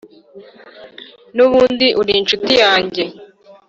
n’ubundi ur’inshuti yange